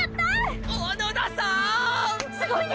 すごいね！！